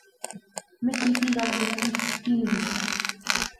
میں شیت کی گل بجی۔۔۔ کی نی بجی